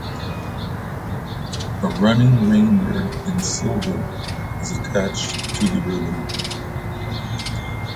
A running reindeer in silver is attached to the ribbon.